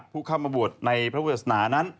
ผู้เข้ามาบวชในพระเวสนานั้น